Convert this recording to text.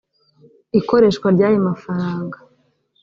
ikoreshwa ry ayo mafaranga